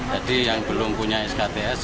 jadi yang belum punya skts sekarang mau skts